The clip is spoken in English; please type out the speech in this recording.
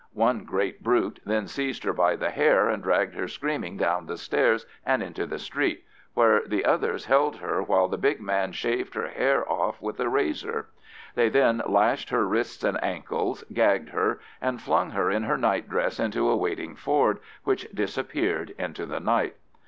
One great brute then seized her by the hair, and dragged her screaming down the stairs and into the street, where the others held her while the big man shaved her hair off with a razor. They then lashed her wrists and ankles, gagged her, and flung her in her nightdress into a waiting Ford, which disappeared into the night.